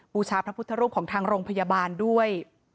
บูชาพระพุทธรูปของทางโรงพยาบาลด้วย